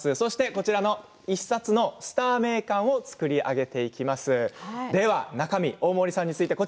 こちらの１冊のスター名鑑を作り上げていきます。